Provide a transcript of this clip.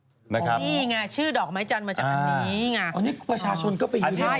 โอ้นู่ง่ะชื่อดอกไม้จันทร์มาจากอันนี้